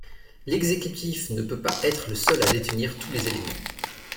L’exécutif ne peut pas être le seul à détenir tous les éléments.